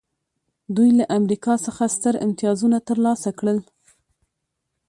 دوی له امریکا څخه ستر امتیازونه ترلاسه کړل